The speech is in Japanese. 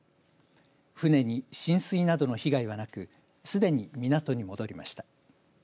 船に浸水などの被害はなくすでに港に戻りました。